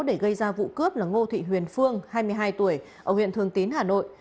để gây ra vụ cướp là ngô thị huyền phương hai mươi hai tuổi ở huyện thường tín hà nội